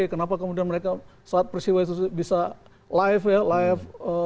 kenapa kemudian mereka saat peristiwa itu bisa live ya live